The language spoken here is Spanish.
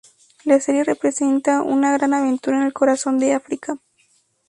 La serie representa una gran aventura en el corazón de África.